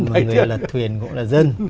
mà người lật thuyền cũng là dân